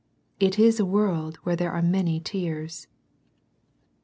It is a world where there are many tears.